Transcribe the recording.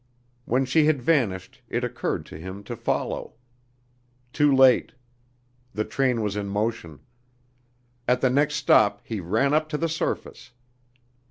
When she had vanished it occurred to him to follow.... Too late. The train was in motion. At the next stop he ran up to the surface.